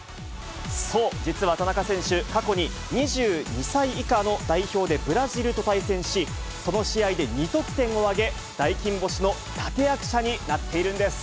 そう、実は田中選手、過去に２２歳以下の代表でブラジルと対戦し、その試合で２得点を挙げ、大金星の立て役者になっているんです。